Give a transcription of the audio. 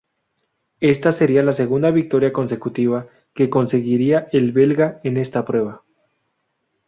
Esta sería la segunda victoria consecutiva que conseguiría el belga en esta prueba.